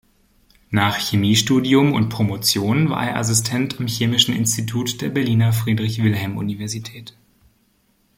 Nach Chemiestudium und Promotion war er Assistent am Chemischen Institut der Berliner Friedrich-Wilhelm-Universität.